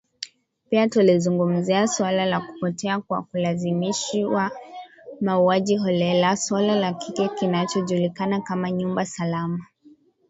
Pia tulizungumzia suala la kupotea kwa kulazimishwa, mauaji holela, suala la kile kinachojulikana kama “nyumba salama”.